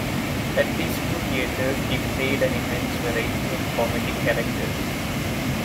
At these two theatres he played an immense variety of comedic characters.